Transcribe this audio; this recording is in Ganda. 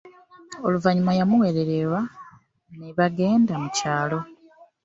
Oluvanyuma yamuwerelera nebagenda mu kyalo.